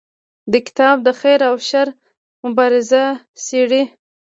دا کتاب د خیر او شر مبارزه څیړي.